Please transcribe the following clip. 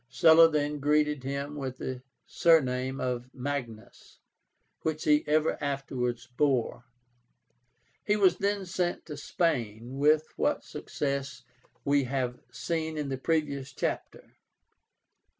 Sulla then greeted him with the surname of Magnus, which he ever afterwards bore. He was then sent to Spain, with what success we have seen in the previous chapter.